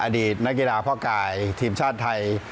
อดีตนักกีฬาพ่อกายทีมชาติไทย